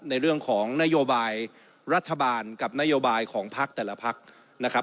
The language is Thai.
ในเรื่องของนโยบายรัฐบาลกับนโยบายของพักแต่ละพักนะครับ